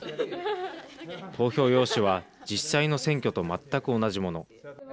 投票用紙は実際の選挙と全く同じもの。